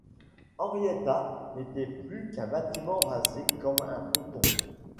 Henrietta n’était plus qu’un bâtiment rasé comme un ponton.